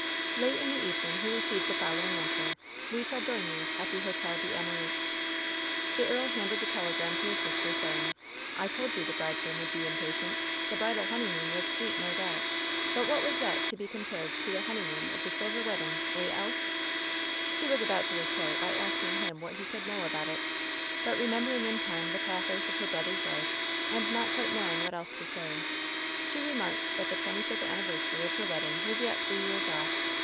'' Late in the evening fie received the following answer: "We shall join you at the Hotel d'Amerique.'' The earl handed the telegram to his sister, saying: "I told you the bridegroom would be impatient. The bridal honeymoon was sweet, no doubt. But what was that to be compared to the honeymoon of the silver wed ding, eh, Elf T She was about to retort by asking him what he could know about it ; but remembering in time the pathos of her brother's life, and not quite knowing what else to say, she remarked that the twenty fifth anniversary of LOVE'S BITTEREST CUP 806 her wedding was yet three years off.